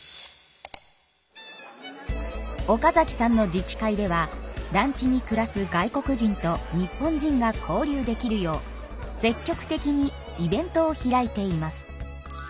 岡さんの自治会では団地に暮らす外国人と日本人が交流できるよう積極的にイベントを開いています。